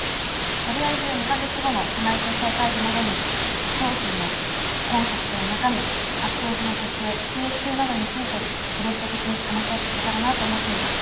とりあえず２か月後の社内決裁会議までに商品のコンセプトや中身パッケージの設計収益性などについてブレスト的に話し合っていけたらなと思っています。